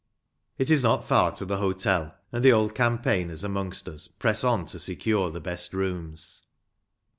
It is not far to the hotel, and the old campaigners amongst us press on to secure the best rooms.